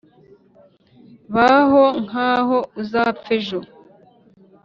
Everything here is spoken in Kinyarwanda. Baho nkaho uzapfa ejo